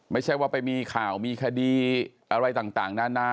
ไม่ใช่ว่าไปมีข่าวมีคดีอะไรต่างนานา